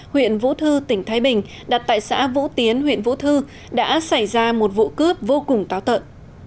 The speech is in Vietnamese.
huyện vũ thư tỉnh thái bình đặt tại xã vũ tiến huyện vũ thư đã xảy ra một vụ cướp vô cùng táo tợn